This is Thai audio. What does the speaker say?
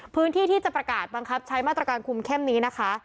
พื้นที่ที่จะประกาศบังคับใช้มาตรการคุมเข้มนี้นะคะ